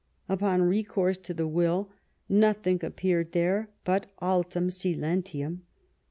Upon recourse to the will, nothing appeared there but alium silentium.